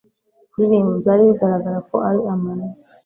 kuririmba byari bigaragara ko ari amayeri